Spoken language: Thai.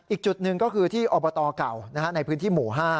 อีกจุดหนึ่งก็คือที่อบตเก่าในพื้นที่หมู่๕